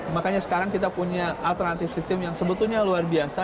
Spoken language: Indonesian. makanya sekarang kita punya alternatif sistem yang sebetulnya luar biasa